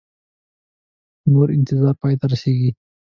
نور انتظار پای ته رسیږي